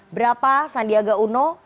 berapa sandiaga uno